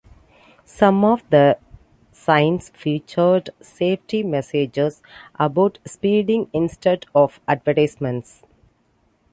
Some of the signs featured safety messages about speeding instead of advertisements.